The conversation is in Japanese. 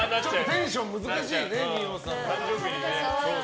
テンション難しいね、二葉さん。